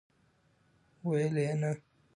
ویل یې، نه!!!